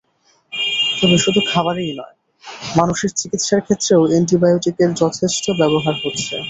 তবে শুধু খাবারেই নয়, মানুষের চিকিৎসার ক্ষেত্রেও অ্যান্টিবায়োটিকের যথেচ্ছ ব্যবহার হচ্ছে।